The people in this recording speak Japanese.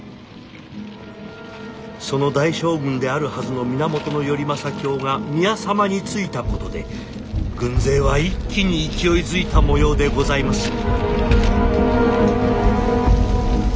「その大将軍であるはずの源頼政卿が宮様についたことで軍勢は一気に勢いづいた模様でございます」。